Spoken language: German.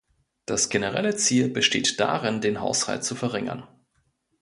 Das generelle Ziel besteht darin, den Haushalt zu verringern.